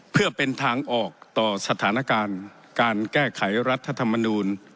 เพื่อเป็นทางออกต่อสถานการณ์การแก้ไขรัฐธรรมนูล